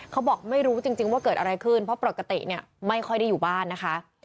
เขาบอกไม่รู้จริงว่าเกิดอะไรขึ้นเพราะปกติเนี่ยไม่ค่อยได้อยู่บ้านนะคะ